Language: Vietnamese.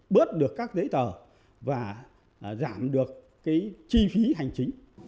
bớt được các giấy tờ và giảm được chi phí hành chính